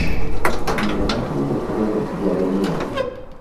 Miguel Ángel de Quevedo y Av.